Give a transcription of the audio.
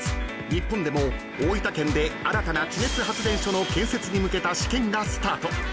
日本でも大分県で新たな地熱発電所の建設に向けた試験がスタート］